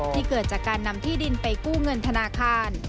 เกิดจากการนำที่ดินไปกู้เงินธนาคาร